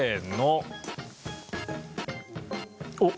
おっ。